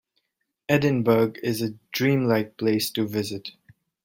Edinburgh is a dream-like place to visit.